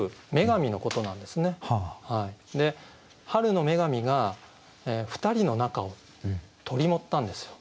春の女神が２人の仲を取り持ったんですよ。